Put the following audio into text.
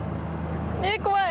えっ怖い！